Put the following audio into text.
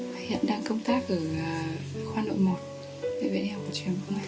hiện đang công tác ở khoa đội một về viện đeo của truyền văn